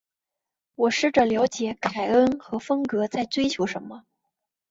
我试着了解凯恩和芬格在追求什么。